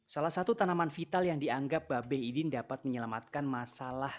salah satu tanaman vital yang dianggap babeh idin dapat menyelamatkan masalah